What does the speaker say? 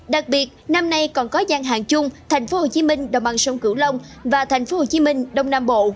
đặc biệt năm nay còn có gian hàng chung tp hcm đồng bằng sông cửu long và tp hcm đông nam bộ